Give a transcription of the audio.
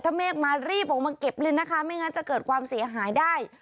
ถ้าเมฆมารีบออกมาเก็บเลยนะคะไม่งั้นจะเกิดความเสียหายได้